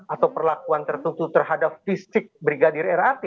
atau perlakuan tertentu terhadap fisik brigadir rat